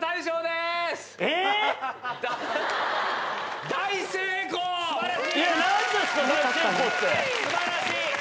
すばらしい！